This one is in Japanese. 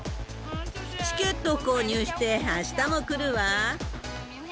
チケットを購入して、あしたも来るわ。